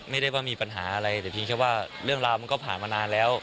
ไม่ได้ว่ามีปัญหาอะไรแต่เพียงแค่ว่าเรื่องราวมันก็ผ่านมานานแล้ว